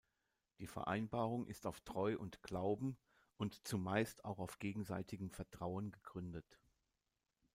Die Vereinbarung ist auf Treu und Glauben und zumeist auch auf gegenseitigem Vertrauen gegründet.